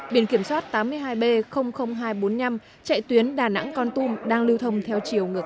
biển kiểm soát tám mươi hai b hai trăm bốn mươi năm chạy tuyến đà nẵng con tum đang lưu thông theo chiều ngược